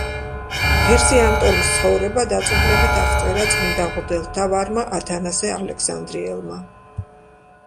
ღირსი ანტონის ცხოვრება დაწვრილებით აღწერა წმიდა მღვდელმთავარმა ათანასე ალექსანდრიელმა.